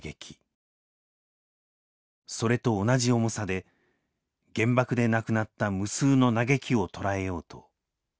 それと同じ重さで原爆で亡くなった「無数の嘆き」をとらえようと決意しました。